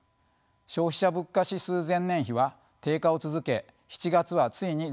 消費者物価指数前年比は低下を続け７月はついに前年割れとなりました。